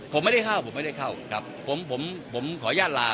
ผมไม่ได้เข้าผมไม่ได้เข้าครับผมผมขออนุญาตลา